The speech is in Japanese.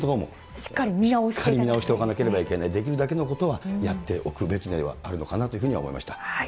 しっかり見直していかなければいけない、できるだけのことはやっておくべきではあるのかなというふうには思いました。